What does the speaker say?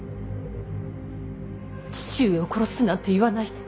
父上を殺すなんて言わないで。